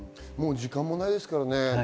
時間もないですからね。